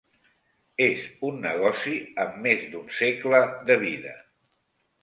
És un negoci amb més d'un segle de vida.